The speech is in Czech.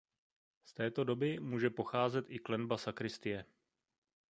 Z této doby může pocházet i klenba sakristie.